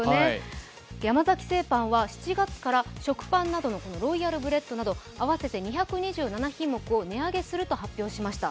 山崎製パンは７月から食パンなどのロイヤルブレッドなど合わせて２２７品目を値上げすると発表しました。